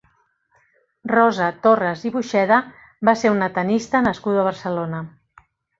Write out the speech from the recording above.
Rosa Torras i Buxeda va ser una tenista nascuda a Barcelona.